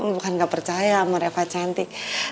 bukan gak percaya sama reva santik